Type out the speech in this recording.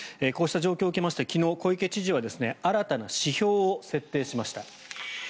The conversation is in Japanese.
こうした状況を受けまして昨日、小池知事は新たな指標を設定しました。